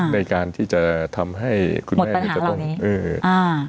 ในการที่จะทำให้คุณแม่หมดปัญหาเหล่านี้